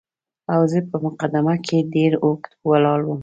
او زه په مقدمه کې ډېر اوږد ولاړم.